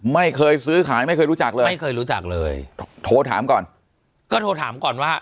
ไม่เคยซื้อขายไม่เคยรู้จักเลยไม่เคยรู้จักเลยโทรถามก่อนก็โทรถามก่อนว่า